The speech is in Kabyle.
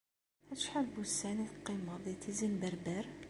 Acḥal n wussan i teqqimeḍ di Tizi n Berber?